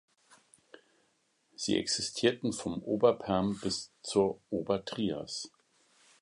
Sie existierten vom Oberperm bis zur Obertrias.